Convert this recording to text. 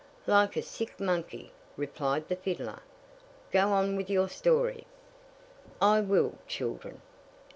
"Like a sick monkey," replied the fiddler. "Go on with your story." "I will, children.